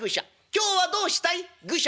今日はどうしたい？愚者」。